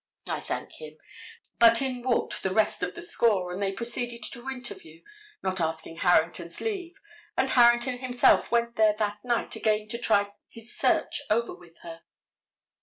I thank him. But in walked the rest of the score, and they proceeded to interview, not asking Harrington's leave, and Harrington himself went there that night again to try his search over with her.